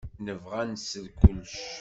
Nebɣa ad nsel kullec.